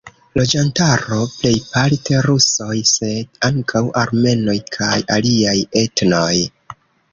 Loĝantaro: plejparte rusoj, sed ankaŭ armenoj kaj aliaj etnoj.